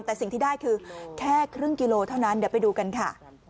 แต่สิ่งที่ได้คือแค่ครึ่งกิโลเท่านั้นเดี๋ยวไปดูกันค่ะ